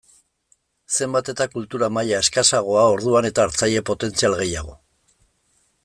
Zenbat eta kultura maila eskasagoa orduan eta hartzaile potentzial gehiago.